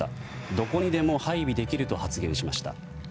どこにでも配備できると発言しました。